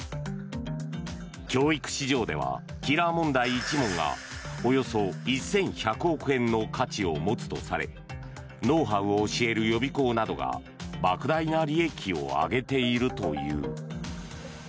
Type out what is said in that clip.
教育市場ではキラー問題１問がおよそ１１００億円の価値を持つとされノウハウを教える予備校などがばく大な利益を上げているという。